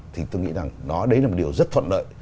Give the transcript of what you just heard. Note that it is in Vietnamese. thì tôi nghĩ là đấy là một điều rất thuận lợi